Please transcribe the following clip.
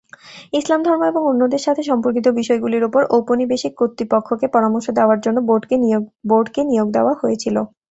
ইসলাম ধর্ম এবং অন্যদের সাথে সম্পর্কিত বিষয়গুলির উপর ঔপনিবেশিক কর্তৃপক্ষকে পরামর্শ দেওয়ার জন্য বোর্ডকে নিয়োগ দেওয়া হয়েছিল।